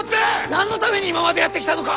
何のために今までやってきたのか！